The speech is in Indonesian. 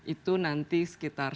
itu nanti sekitar